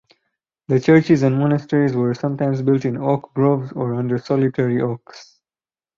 The churches and monasteries were sometimes built in oak groves or under solitary oaks.